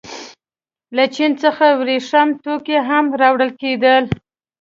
له چین څخه ورېښم توکي هم راوړل کېدل.